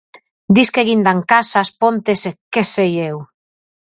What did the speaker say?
Disque guindan casas, pontes, e que sei eu!